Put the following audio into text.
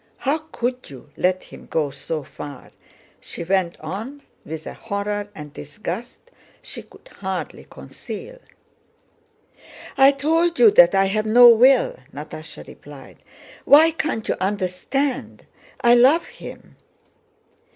How could you let him go so far?" she went on, with a horror and disgust she could hardly conceal. "I told you that I have no will," Natásha replied. "Why can't you understand? I love him!"